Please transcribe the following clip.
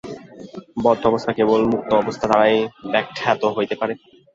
বদ্ধ অবস্থা কেবল মুক্ত অবস্থা দ্বারাই ব্যাখ্যাত হইতে পারে।